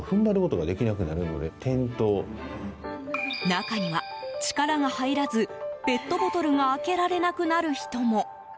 中には、力が入らずペットボトルが開けられなくなる人も。